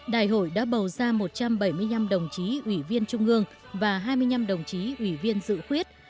đại hội đã bầu ra một trăm bảy mươi năm đồng chí ủy viên trung ương và hai mươi năm đồng chí ủy viên dự khuyết